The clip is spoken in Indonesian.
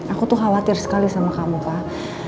aku tuh khawatir sekali sama kamu kak